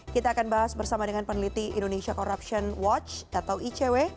kita akan bahas bersama dengan peneliti indonesia corruption watch atau icw